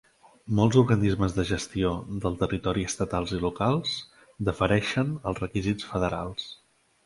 Molts organismes de gestió del territori estatals i locals defereixen als requisits federals.